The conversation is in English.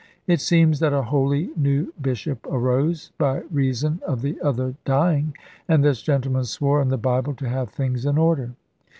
It seems that a wholly new bishop arose, by reason of the other dying, and this gentleman swore on the Bible to have things in order.